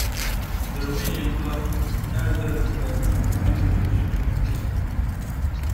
The Romanian club hired her in the attempt of winning the Champions League.